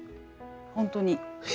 本当に。